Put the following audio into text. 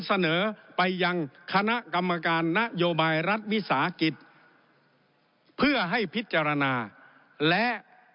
เสนอไปยังคณะกรรมการนโยบายรัฐวิสาหกิจเพื่อให้พิจารณาและ